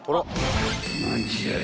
［何じゃい